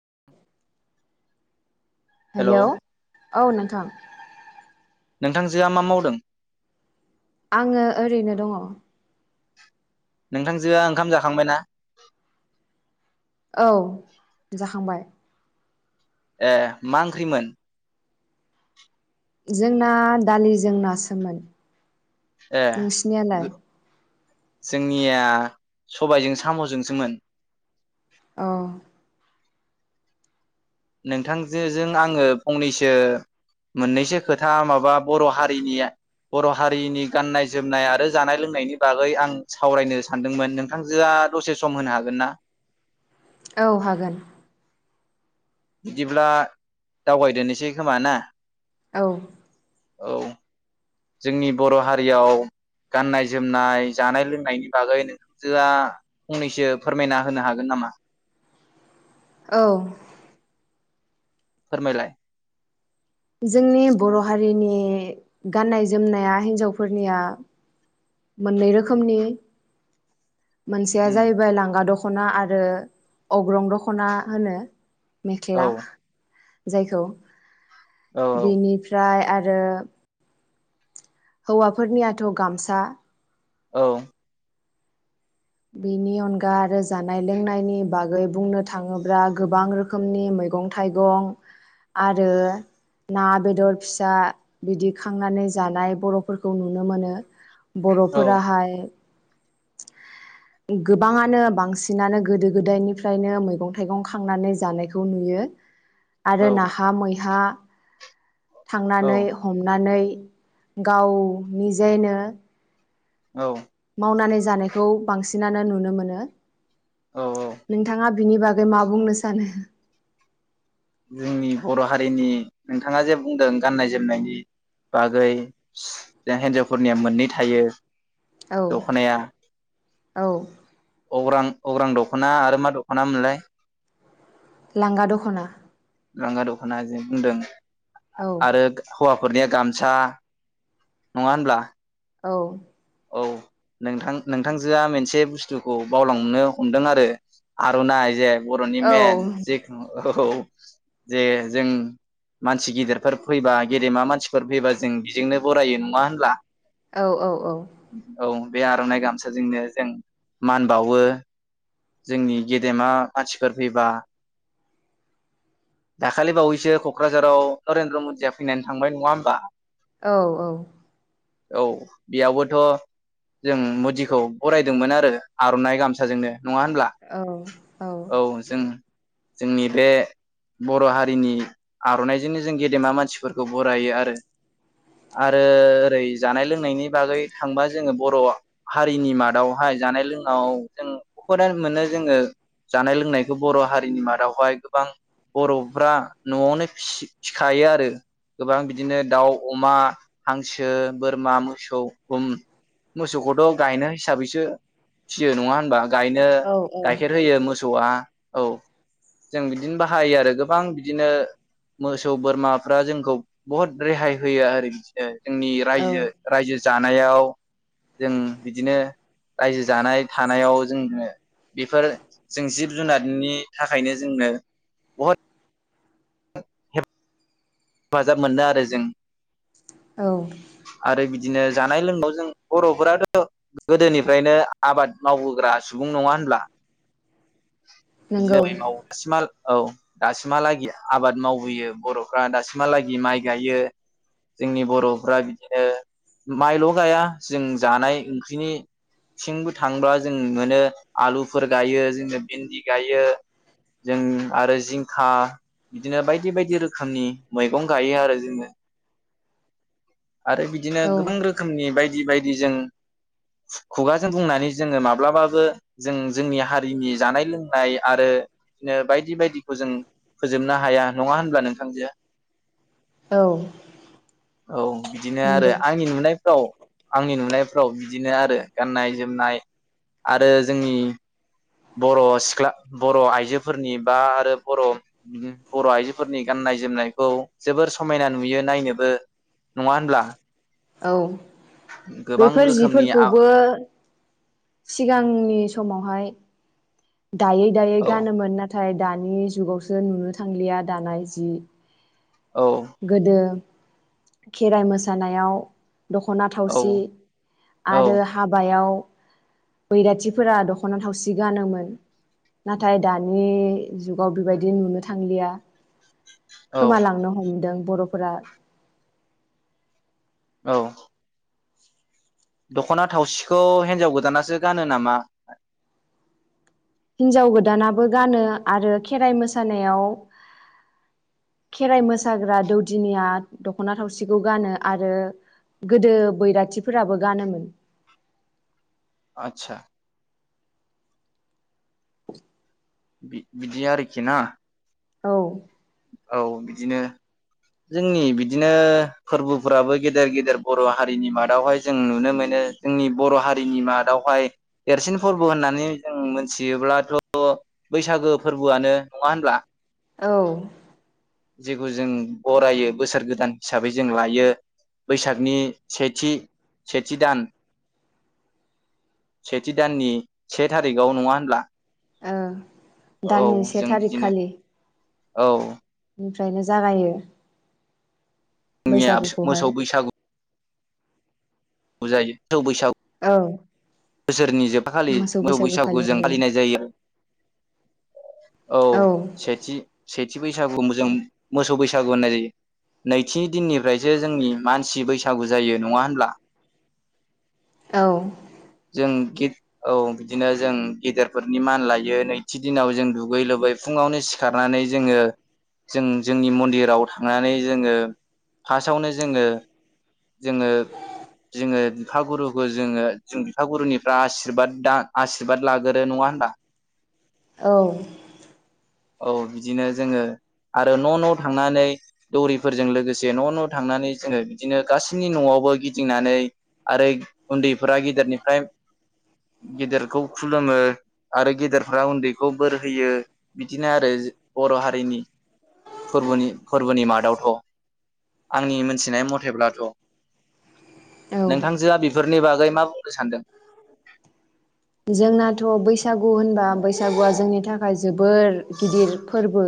[inaudible] Hello औ नोंथां नोंथांजोआ मा मावदों आंङो ओरैनो दङ नोंथांजोआ ओंखाम जाखांबायना औ जाखांबाय ए मा ओंख्रिमोन जोंना दालिजों नासोमोन। ए नोंसिनियालाय जोंनिया सबायजों साम'जोंसोमोन। औ नोंथांजोजों आङो फंनैसो मोननैसो खोथा माबा बर' हारिनि बर' हारिनि गाननाय जोमनाय आरो जानाय लोंनायनि बागै आं सावरायनो सानदोंमोन नोंथांजोआ दसे सम होनो हागोन ना। औ हागोन बिदिब्ला दावगायदोननोसै खोमा ना औ औ जोंनि बर' हारियाव गाननाय जोमनाय जानाय लोंनायनि बागै नोंथांजोआ फंनैसो फोरमायना होनो हागोन नामा। औ फोरमायलाय जोंनि बर' हारिनि गाननाय जोमनाया हिन्जावफोरनिया मोननै रोखोमनि मोनसेया उम जाहैबाय लांगा द खना आरो अग्रं दख'ना होनो औ मेखला जायखौ औ बेनिफ्राय आ रो हौवाफोरनियाथ' गामसा औ बेनि अनगा आरो जानाय लोंनायनि बागै बुंनो थाङोब्ला गोबां रोखोमनि मैगं थाइगं आरो ना बेदर फिसा बिदि खांनानै जानाय बर'फोरखौ नुनो मोनो। औ बर'फोराहाय गोबाङानो बांसिनानो गोदो-गोदायनिफ्रायनो मैगं थायगं खांनानै जानायखौ नुयो। औ आरो नाहा मैहा औ थांनानै हमनानै गाव निजेनो औ मावनानै जानायखौ बांसिनानो नुनो मोनो। औ नोंथाङा बिनि बागै मा बुंनो सानो। जोंनि बर' हारिनि नोंथाङा जे बुंदों गाननाय जोमनायनि बागै जों हिनजावफोरनिया मोननै थायो औ दखनाया औ अग्रां अग्रां दख'ना आरो मा दख'ना मोनलाय? लांगा दख'ना लांगा दख'ना जे बुंदों औ आरो हौवा न'खरनिया गामसा नङा होनब्ला? औ औ नोंथां नोंथांजोआ मोनसे बुस्थुखौ बावलांनो हमदों आरो आर'नाइ जे बर'नि औ मेन जेखुनु औ जे जों मानसि गिदिरफोर फैबा गेदेमा मानसिफोर फैबा जों बेजोंनो बरायो नङा होनब्ला? औ औ औ बे आर'नाइ गामसाजोंनो जों मान बावो जोंनि गेदेमा मानसिफोर फैबा दाखालि बावैसो क'क्राझाराव नरेन्द्र मदिया फैनानै थांबाय नङा होमबा? औ औ औ बेयावबो थ' जों मदिखौ बरायदोंमोन आरो आर'नाइ गामसाजोंनो। नङा होनब्ला औ औ जों जोंनि बे बर' हारिनि आर'नाइजोंनो जों गेदेमा मानसिफोरखौ बरायो आरो आरो ओरै जानाय लोंनायनि बागै थांबा जोङो बर' हारिनि मादावहाय जानाय लोंनायाव जों बुहुदानो मोनो जोङो जानाय लोंनायखौ बर' हारिनि मादावहाय गोबां बर'फ्रा न'आवनो फिसि-फिखायो आरो गोबां बिदिनो दाउ, अमा, हांसो, बोरमा, मोसौ ओम मोसौखौथ' गायनो हिसाबैसो फियो नङा होनबा? गायनो औ गाइखेर होयो मोसौआ औ जों बिदिनो बाहायो आरो गोबां बिदिनो मोसौ बोरमाफ्रा जोंखौ बहुद रेहाय होयो आरो बिदिनो जोंनि औ रायजो रायजो जानायाव जों बिदिनो रायजो जानाय थानायाव जोङो बेफोर जों जिब जुनारनि थाखायनो जोंनो बहुद [unintelligible] हेफाजाब मोनदो आरो जों। औ आरो बिदिनो जानाय लोंनायाव जों बर'फोराथ' गोदोनिफ्रायनो आबाद मावबोग्रा सुबुं नङा होनब्ला? नंगौ [unintelligible] औ दासिमहालागि आबाद मावबोयो बर'फ्रा दासिम सिमहालागि माइ गायो जोंनि बर'फ्रा बिदिनो माइल' गाया जों जानाय ओंख्रिनि थिंबो थांबा जों मोनो आलुफोर गायो जोंनो भिन्दि गायो जों आरो जिंखा बिदिनो बायदि बायदि रोखोमनि मैगं गायो आरो जोङो आरो बिदिनो औ गोबां रोखोमनि बायदि बाय जदि जों खुगाजों बुंनानै जोङो माब्लाबाबो जों जोंनि हारिनि जानाय लोंनाय आरो बिदिनो बायदि बायदिखौ जों फोजोबनो हाया नङा होनब्ला नोंथांजो? औ औ बिदिनो आरो नंगौ आंनि नुनायफ्राव आंनि नुनाय औ बिदिनो आरो गाननाय जोमनाय आरो जोंनि बर' सिख्ला बर' आइजोफोरनि बा आरो बर' बर' आइजोफोरनि गाननाय जोमनाय खौ जोबोर समायना नुयो नायनोबो नङा होनब्ला? औ गोबां बेफोर रोखोमनि आ जिफोरखौबो सिगांनि समावहाय दायै‌ दायै औ गानोमोन नाथाय नाथाय दानि जुगावसो नुनो थांलिया दानाय जि औ गोदो खेराइ मोसानायाव दखना औ थावसि औ आरो हाबायाव बैराथिफोरा दखना थावसि गानोमोन नाथाय दानि जुगाव बेबायदि नुनो थांलिया । औ खोमालांनो हमदों। बरफोरा। औ। दखना थावसिखौ हिनजाव गोदानासो गानो नामा? हिनजाव गोदानाबो गानो आरो खेराइ मोसानायाव खेराइ मोसाग्रा दौदिनिया दखना थावसिखौ गानो आरो गोदो बैराथिफोराबो गानोमोन। आदसा। बिद बिदि आरोखि ना। औ। औ बिदिनो जोंनि बिदिनो फोरबोफोराबो गेदेर गेदेर बर' हारिनि मादावहाय जों नुनो मोनो जोंनि बर' हारिनि मादावहाय देरसिन फोरबो होननानै जों मोनथियोब्लाथ' बैसागो फोरबोआनो नङा होनब्ला। औ। जेखौ जों बरायो बोसोर गोदान हिसाबै जों लायो बैसागनि सेथि सेथि दान सेथि दाननि से थारिखआव नङा होनब्ला। ओ। दाननि औ से जों बिदिनो थारिखखालि। औ। निफ्रायनो जागायो। निया बैसागुखौहाय मोसौ बैसागु। बुजायो। सौ बैसाग औ बोसोरनि जोबथाखालि मोसौ बैसागु जों फालिनाय जायो आरो औ सेथि सेथ थि बैसागुम जों मोसौ बैसागु होननाय जायो नैथि दिननिफ्रायसो जोंनि मानसि बैसागु जायो नंङा होनब्ला। औ। गिद औ बिदिनो जों गेदेरफोरनि मान लायो नैथि दिनाव जों दुगै लोबै फुङावनो सिखारनानै जोङो जों जोंनि मन्दिराव थांनानै जोङो फासावनो जोङो जोङो। जोंङो बिफागुरुखौ जोंङो जों बिफागुरुनिफ्राय आशिरबाद दा आशिरबाद लागोरो नङा होनबा। औ। औ बिदिनो जोङो आरो न' न' थांनानै दौरिफोरजों लोगोसे न' न' थांनानै जोङो बिदिनो गासैनि न'आवबो गिदिंनानै आरै उन्दैफोरा गेदेरनिफ्राय गेदेरखौ खुलुमो आरो गेदेरफ्रा उन्दैखौ बोर होयो। बिदिनो आरोज बर' हारिनि फोरबुनि फोरबोनि मादावथ आंनि मोनथिनाय मथेब्लाथ औ नोंथांजोआ बेफोरनि बागै मा बुंनो सानदों? जोंनाथ बैसागु होनबा बैसागुआ जोंनि थाखाय जोबोर गिदिर फोर्बो।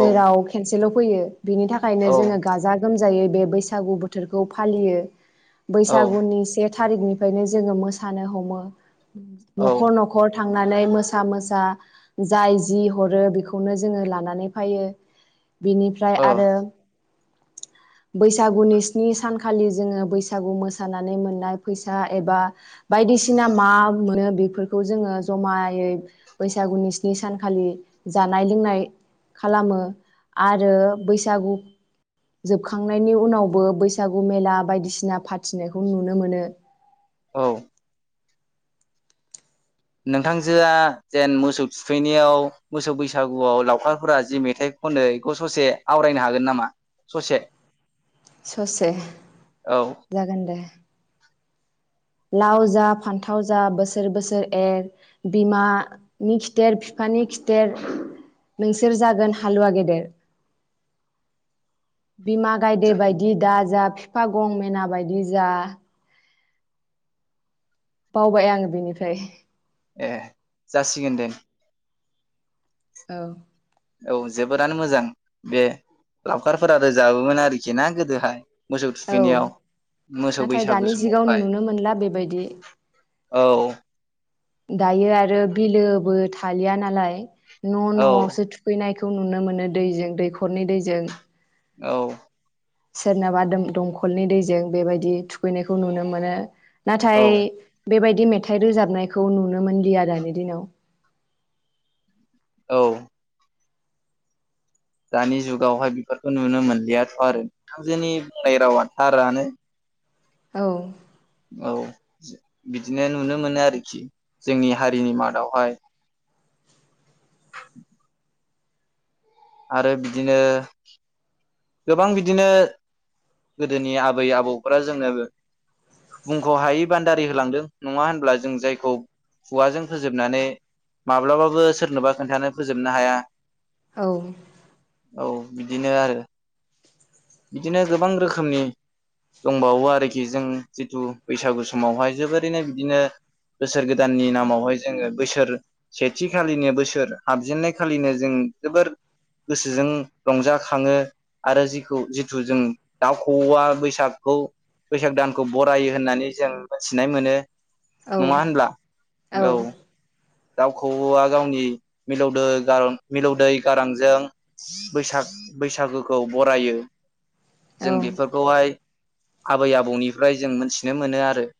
औ खनेसे सेल फैयो। बिनि थाखायनो औ जोंङो गाजा गोमजायैब। बे बैसागु बोथोरखौ फालियो। औ बैसागुनि से। थारिखनिफ्रायनो जोंङो मोसानो हमो। [inaudible] औ नखर नखर। थांनानै मोसा मोसा जाय जि हरो बेखौनो जोङो लानानै फायो। बिनिफ्राय ओ आरो। बैसागुनि स्नि सानखालि जोङो बैसागु मोसानानै मोननाय फैसा एबा बायदिसिन सिना मा मोनो बेफोरखौ जोङो जमायै बैसागुनि स्नि सानखालि जानाय लोंनाय खालामो आरो बैसागु जोबखांनायनि उनावबो बैसागु मेला बायदिसिना फाथिनायखौ नुनो मोनो। औ। नोंथांजोआ जेन मोसौ थुखैनियाव मोसौ बैसागुआव लावखारफोरा जि मेथाइ खनो इखौ ससे आवरायनो हागोन नामा? ससे। ससे औ जागोन दे। लाव जा फान्थाव जा बोसोर बोसोर एर बिमानि खिथेर बिफानि खिथेर नोंसोर जागोन हालुवा गेदेर। बिमा गायदे बायदि दा जा फा गं मेना बायदि जा बावबाय आङो बेनिफ्राय ए जासिगोन दे। औ । औ जोबोरानो मोजां बे लावखारफोरा रोजाबोमोन आरोखि ना गोदोहाय? मोसौ औ थुखैनायाव मोसौ नाथाय बैसागु दानि जिगाव समावहाय नुनो मोनला बेबायदि । औ । दायो आरो बिलोबो थालिया नालाय । न' औ न'आवसो थुफैनायखो खौ नुनो मोनो दैजों दैखरनि दैजों । औ । सोरनाबा दोम दंखलनि दैजों बेबायदि थुखैनायखौ नुनो मोनो। औ नाथाय बेबायद दि मेथाइ रोजाबनायखौ नुनो मोनलिया दानि दिनाव । औ । दानि जुगावहाय बेफोरखौ नुनो मोनलियाथ' आरो नोथांजोनि बुंनाय रावा थारानो। औ । औ बिदिनो नुनो मोनो आरोखि जोंनि हारिनि मादावहाय [inaudible] आरो बिदिनो गोबां बिदिनो गोदोनि आबै आबौफ्रा जोंनो बुंख' हायै बान्दारि होलांदों नङा होनब्ला? जों जायखौ खुवाजों फोजोबनानै माब्लाबाबो सोरनोबा खोन्थानो फोजोबनो हाया। औ । औ बिदिनो आरो। बिदिनो गोबां रोखोमनि दंबावो आरोखि जों जिथु बैसागु समावहाय जोबोरैनो बिदिनो बोसोर गोदाननि नामावहाय जोङो बोसोर सेथि खालिनो बोसोर हाबजेननाय खालिनो जों जोबोर गोसोजों रंजाखाङो । आरो जिखौ जिथु जों दाउ खौवा बैसागखौ बैसाग दानखौ बरायो होननानै जों मिथिनाय मोनो। औ नङा होनब्ला? औ दाउ खौवा गावनि मिलौदो गारा मिलौदै गारांजों बैसाग बैसागोखौ बरायो। औ जों बेफोरखौहाय आबै आबौनिफ्राय जों मोनथिनो मोनो आरो ।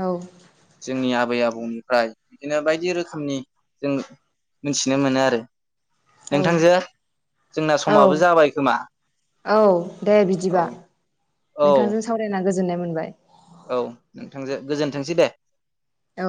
औ । जोंनि आबै आबौनिफ्राय बिदिनो बाय दि रोखोमनि जों मिथिनो मोनो आरो नोंथांजो औ जोंना औ समाबो जाबाय खोमा औ दे औ बिदिबा औ नोंथांजों सावरायना गोजो जोननाय मोनबाय। औ नोंथांजो गोजोनथोंसै दे। औ